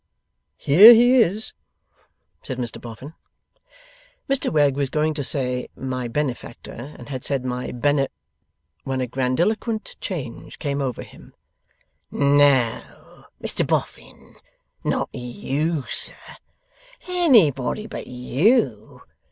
'Here he is,' said Mr Boffin. Mr Wegg was going to say, My Benefactor, and had said My Bene, when a grandiloquent change came over him. 'No, Mr Boffin, not you sir. Anybody but you.